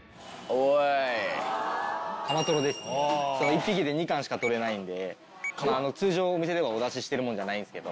１匹で２貫しか取れないんで通常お店ではお出ししてるもんじゃないんですけど。